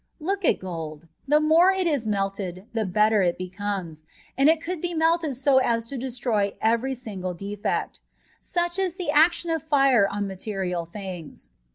Look at gold : the more ìt ìs melted, the better it becomes ; and it could be melted so as to destroy every single defect. Such is the action of fire on material things.